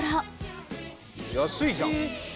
「安いじゃん」